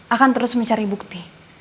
akan terus mencari bukti